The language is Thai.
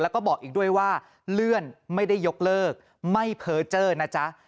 แล้วก็บอกอีกด้วยว่าเลื่อนไม่ได้ยกเลิกไม่เพอร์เจอร์นะจ๊ะ